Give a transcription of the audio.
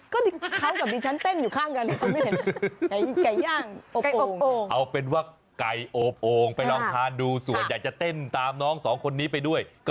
เขากับดิฉันเต้นอยู่ข้างกันอีก